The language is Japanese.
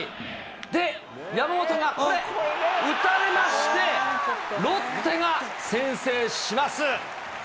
で、山本がこれ、打たれまして、ロッテが先制します。